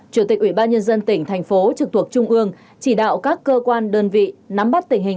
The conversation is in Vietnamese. chủ tịch ubnd tỉnh thành phố trực thuộc trung ương chỉ đạo các cơ quan đơn vị nắm bắt tình hình